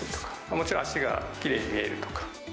もちろん、足がきれいに見えるとか。